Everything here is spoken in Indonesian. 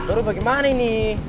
baru bagaimana ini